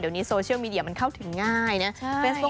เดี๋ยวนี้โซเชียลมีเดียมันเข้าถึงง่ายนะ